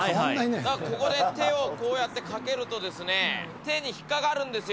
だからここで、手をこうやってかけるとですね、手に引っ掛かるんですよ。